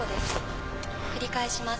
繰り返します。